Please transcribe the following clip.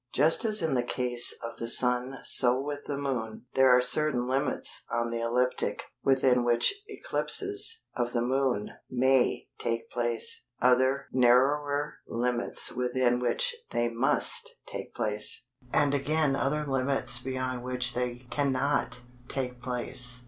Just as in the case of the Sun so with the Moon there are certain limits on the ecliptic within which eclipses of the Moon may take place, other (narrower) limits within which they must take place, and again other limits beyond which they cannot take place.